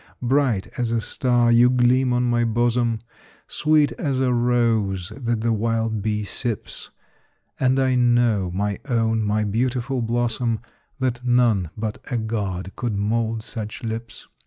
Bright as a star you gleam on my bosom, Sweet as a rose that the wild bee sips; And I know, my own, my beautiful blossom, That none but a God could mould such lips.